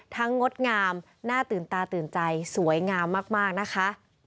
งดงามหน้าตื่นตาตื่นใจสวยงามมากนะคะ